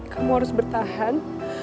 kamu harus bertahan